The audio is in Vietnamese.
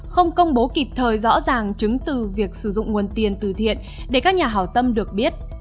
không công bố kịp thời rõ ràng chứng từ việc sử dụng nguồn tiền từ thiện để các nhà hảo tâm được biết